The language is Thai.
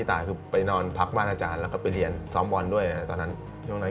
วันไหนผมแบบเล่นบอลอย่างงี้